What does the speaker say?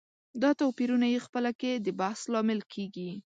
دا توپيرونه یې خپله کې د بحث لامل کېږي.